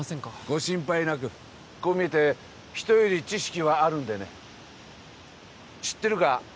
ご心配なくこう見えて人より知識はあるんでね知ってるか？